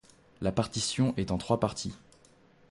La partition est en trois parties.